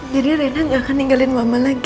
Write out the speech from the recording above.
jadi rena gak akan ninggalin mama lagi